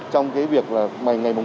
trong cái việc là ngày một mươi tháng hai